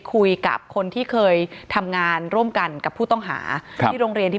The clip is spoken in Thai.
คุยกับคนที่เคยทำงานร่วมกันกับผู้ต้องหาครับที่โรงเรียนที่